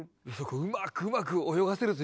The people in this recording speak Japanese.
うまくうまく泳がせるというか。